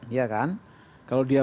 iya kan kalau dia